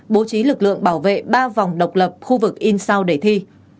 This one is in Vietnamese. bố trí lực lượng bảo vệ ba vòng độc lập khu vực in sau đề thi